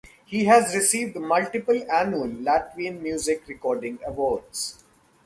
He has received multiple Annual Latvian Music Recording Awards.